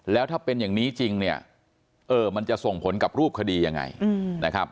แล้วถ้าเป็นอย่างนี้จริงเนี่ยเออมันจะส่งผลกับรูปคดียังไงนะครับ